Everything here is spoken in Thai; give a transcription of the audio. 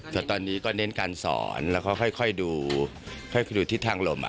แต่ตอนนี้ก็เน้นการสอนแล้วค่อยดูทิศทางโลม